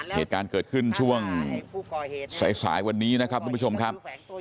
เหตุการณ์เกิดขึ้นช่วงสายวันนี้นะครับทุกผู้ชมครับ